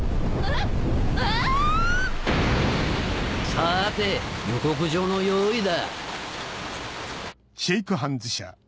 さて予告状の用意だ。